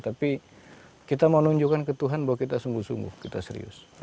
tapi kita mau nunjukkan ke tuhan bahwa kita sungguh sungguh kita serius